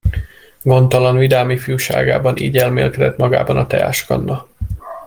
Gondtalan, vidám ifjúságában így elmélkedett magában a teáskanna.